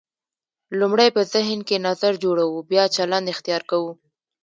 لومړی په ذهن کې نظر جوړوو بیا چلند اختیار کوو.